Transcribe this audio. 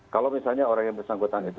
kalau misalnya orang yang bersangkutan itu